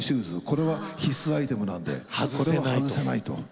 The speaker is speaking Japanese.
これは必須アイテムなんで外せないと。